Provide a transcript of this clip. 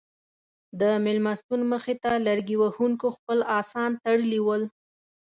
د مېلمستون مخې ته لرګي وهونکو خپل اسان تړلي ول.